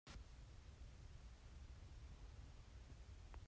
Laitlang i hreng hnah khi tihang ah so khawh a si maw?